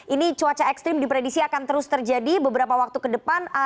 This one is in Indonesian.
ini cuaca ekstrim diprediksi akan terus terjadi beberapa waktu ke depan